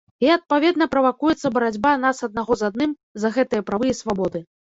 І, адпаведна, правакуецца барацьба нас аднаго з адным за гэтыя правы і свабоды.